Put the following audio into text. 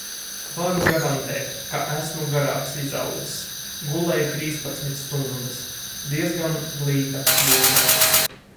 Varu garantēt, ka esmu garāks izaudzis. Gulēju trīspadsmit stundas. Diezgan glīta būve.